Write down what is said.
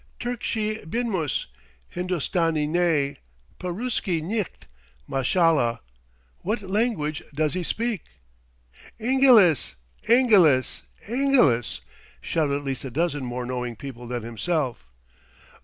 Turkchi binmus! Hindostani nay! Paruski nicht! mashallah, what language does he speak?" "Ingilis! Ingilis! Ingilis!" shout at least a dozen more knowing people than himself.